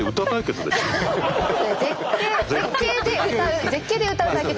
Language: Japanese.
絶景絶景で歌う絶景で歌う対決。